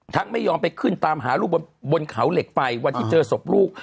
ไม่ยอมไปขึ้นตามหาลูกบนเขาเหล็กไฟวันที่เจอศพลูก